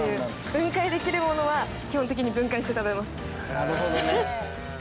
なるほどね。